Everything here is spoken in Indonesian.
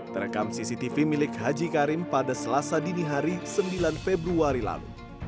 terekam cctv milik haji karim pada selasa dini hari sembilan februari lalu